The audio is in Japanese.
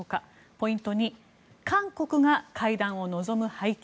ポイント２韓国が会談を望む背景。